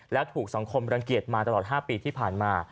และถูกสังคมรังเกียจมาตลอด๕ปีที่ผ่านมา